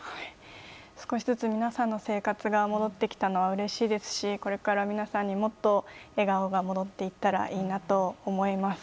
少しずつ皆さんの生活が戻ってきたのはうれしいですしこれから皆さんにもっと笑顔が戻っていったらいいなと思います。